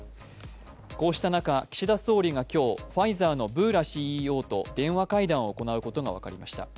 こうした中、岸田総理が今日、ファイザーのブーラＣＥＯと電話会談を行うことが分かりました。